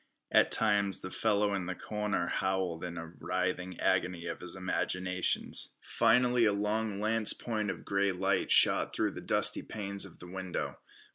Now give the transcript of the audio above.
At times the fellow in the corner howled in a writhing agony of his imaginations. Finally a long lance point of grey light shot through the dusty panes of the window.